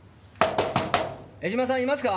江島さんいますか？